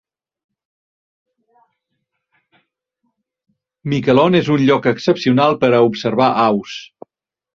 Miquelon és un lloc excepcional per a observar aus.